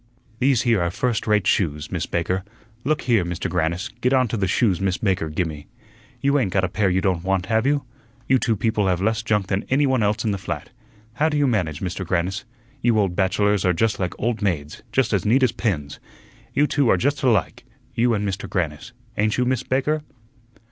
"These here are first rate shoes, Miss Baker. Look here, Mister Grannis, get on to the shoes Miss Baker gi' me. You ain't got a pair you don't want, have you? You two people have less junk than any one else in the flat. How do you manage, Mister Grannis? You old bachelors are just like old maids, just as neat as pins. You two are just alike you and Mister Grannis ain't you, Miss Baker?"